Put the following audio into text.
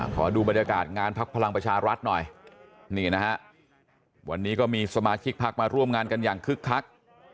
ขอดูบรรยากาศงานพักพลังประชารัฐหน่อยนี่นะฮะวันนี้ก็มีสมาชิกพักมาร่วมงานกันอย่างคึกคัก